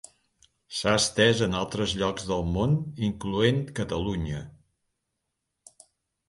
S'ha estés en altres llocs del món incloent Catalunya.